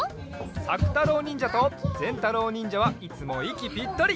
さくたろうにんじゃとぜんたろうにんじゃはいつもいきぴったり！